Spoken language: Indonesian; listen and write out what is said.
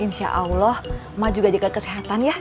insya allah ma juga jaga kesehatan ya